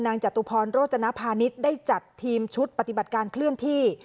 จตุพรโรจนพาณิชย์ได้จัดทีมชุดปฏิบัติการเคลื่อนที่